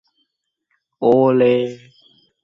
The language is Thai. โอเลย์